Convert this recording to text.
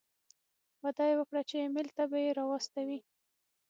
وعده یې وکړه چې ایمېل ته به یې را واستوي.